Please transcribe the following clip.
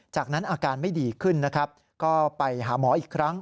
จากนั้นอาการไม่ดีขึ้นนะครับก็ไปหาหมออีกครั้ง